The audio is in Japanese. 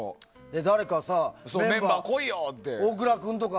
誰かメンバー来いよ！って。